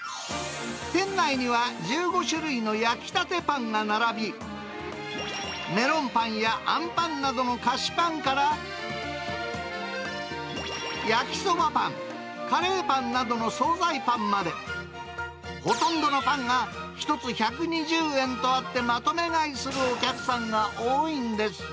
店内には１５種類の焼き立てパンが並び、メロンパンやあんパンなどの菓子パンから、焼きそばパン、カレーパンなどの総菜パンまで、ほとんどのパンが１つ１２０円とあって、まとめ買いするお客さんが多いんです。